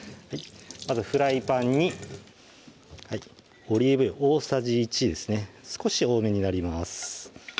まずフライパンにオリーブ油大さじ１ですね少し多めになります